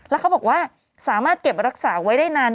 แล้วเขาบอกว่าสามารถเก็บรักษาไว้ได้นาน